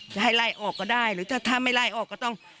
จะให้ไล่ออกก็ได้หรือถ้าไม่ไล่ออกก็ต้อง